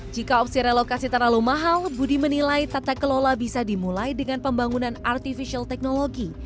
jika opsi relokasi terlalu mahal budi menilai tata kelola bisa dimulai dengan pembangunan artificial technology